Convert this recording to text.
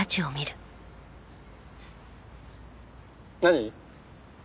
何？